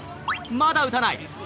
まだ打たない。